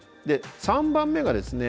３番目がですね